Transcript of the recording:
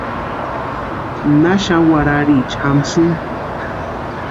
¿Na xani warhariecha jamasïni?